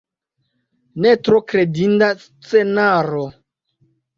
Ne tro kredinda scenaro.